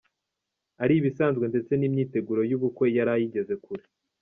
ari ibisanzwe ndetse n’imyiteguro y’ubukwe yari ayigeze kure.